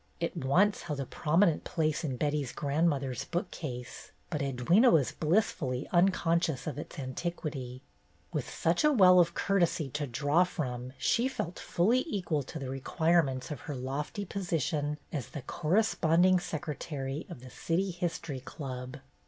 It once held a prominent place in Betty's grandmother's bookcase, but Edwyna was blissfully unconscious of its antiquity; with such a well of courtesy to draw from she felt fully equal to the requirements of her lofty position as the Corresponding Secretary of the City History Club.